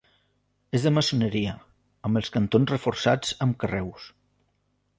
És de maçoneria, amb els cantons reforçats amb carreus.